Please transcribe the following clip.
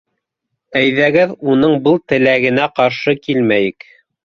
— Әйҙәгеҙ уның был теләгенә ҡаршы килмәйек.